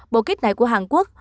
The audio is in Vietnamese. bộ kit này của hàn quốc